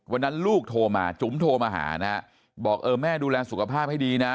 ลูกโทรมาจุ๋มโทรมาหานะบอกเออแม่ดูแลสุขภาพให้ดีนะ